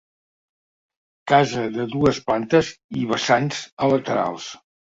Casa de dues plantes i vessants a laterals.